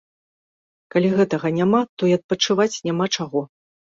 Калі гэтага няма, то і адпачываць няма чаго.